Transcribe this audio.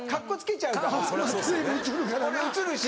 俺映るし。